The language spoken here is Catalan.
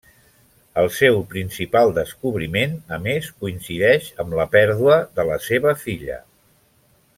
El seu principal descobriment, a més, coincideix amb la pèrdua de la seva filla.